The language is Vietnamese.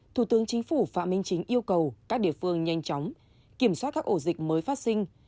thủ tướng chính phủ phạm minh chính yêu cầu các địa phương nhanh chóng kiểm soát các ổ dịch mới phát sinh